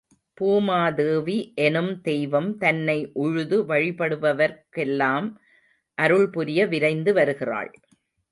பூமாதேவி எனும் தெய்வம் தன்னை உழுது வழிபடுபவர்க்கெல்லாம் அருள் புரிய விரைந்து வருகிறாள்.